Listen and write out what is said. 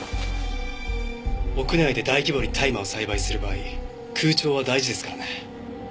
屋内で大規模に大麻を栽培する場合空調は大事ですからね。